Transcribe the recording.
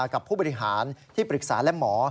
กับผู้บริหารที่ปรึกษาและหมอ